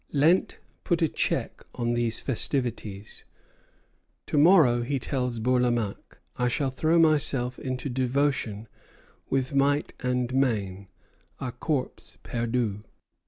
Lent put a check on these festivities. "To morrow," he tells Bourlamaque, "I shall throw myself into devotion with might and main (à corps perdu).